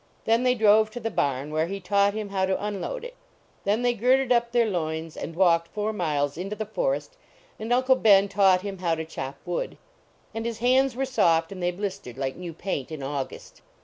Then they drove to the barn, where he taught him how to unload it. Then they girded up their loins and walked four miles into the forest, and Uncle Ben taught him how to chop wood. And his hands were soft, and they blistered like new paint in August.